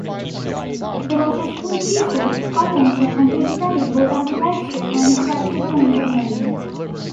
He was a school teacher, carpenter, and he studied both architecture and structural engineering.